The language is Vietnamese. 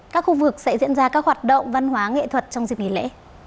các khu vực sẽ diễn ra các hoạt động văn hóa nghệ thuật trong dịp nghỉ lễ